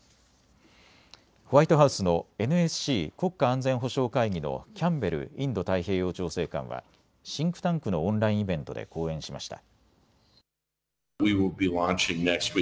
ホワイトハウスのＮＳＣ・国家安全保障会議のキャンベルインド太平洋調整官はシンクタンクのオンラインイベントで講演しました。